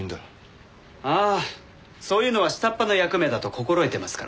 ああそういうのは下っ端の役目だと心得てますから。